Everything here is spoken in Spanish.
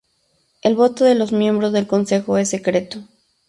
El voto de los miembros del Consejo es secreto.